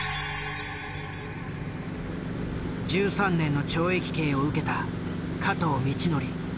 １３年の懲役刑を受けた加藤倫教。